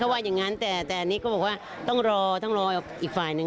ว่าอย่างนั้นแต่อันนี้ก็บอกว่าต้องรอต้องรออีกฝ่ายหนึ่ง